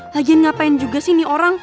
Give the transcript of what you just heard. lagian ngapain juga sih ini orang